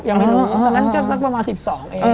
ยังไม่รู้ตอนนั้นก็สักประมาณ๑๒เอง